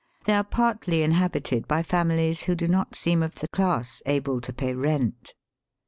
They are partly inhabited by families who do not seem of the •class able to pay rent.